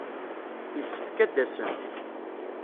Yessefk ad d-asen.